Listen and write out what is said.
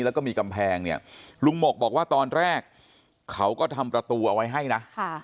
แล้วก็มีกำแพงเนี่ยลุงหมกบอกว่าตอนแรกเขาก็ทำประตูเอาไว้ให้นะ